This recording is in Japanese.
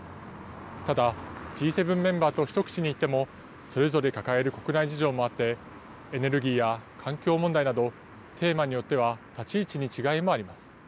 ただ、Ｇ７メンバーと一口に言っても、それぞれ抱える国内事情もあって、エネルギーや環境問題など、テーマによっては立ち位置に違いもあります。